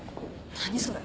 何それ。